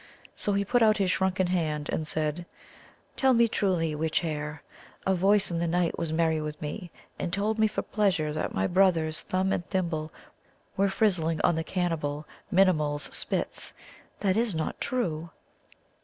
So he put out his shrunken hand, and said: "Tell me truly, witch hare. A voice in the night was merry with me, and told me for pleasure that my brothers Thumb and Thimble were frizzling on the cannibal Minimuls' spits. That is not true?"